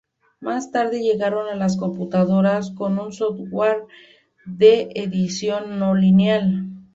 Más tarde llegaron las computadoras con un software de edición no lineal.